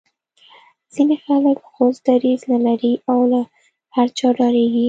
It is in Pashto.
ځینې خلک غوڅ دریځ نه لري او له هر چا ډاریږي